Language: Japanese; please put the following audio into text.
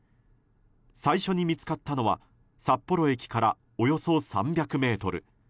最初に見つかったのは札幌駅からおよそ３００ｍ。